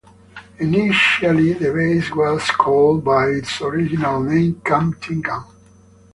Initially the base was called by its original name, Camp Tengan.